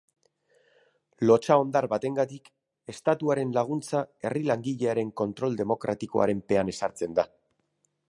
Lotsa-hondar batengatik, estatuaren laguntza herri langilearen kontrol demokratikoaren pean ezartzen da.